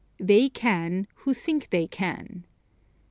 "They can who think they can."